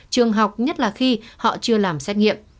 trường học nhất là khi họ chưa làm xét nghiệm